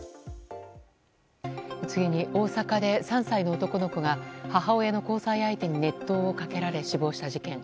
次に、大阪で３歳の男の子が母親の交際相手に熱湯をかけられ死亡した事件。